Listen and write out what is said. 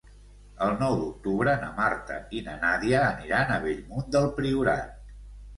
El nou d'octubre na Marta i na Nàdia aniran a Bellmunt del Priorat.